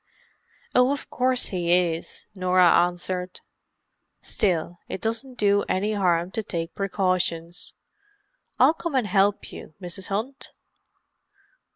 "Oh, of course he is," Norah answered. "Still, it doesn't do any harm to take precautions. I'll come and help you, Mrs. Hunt."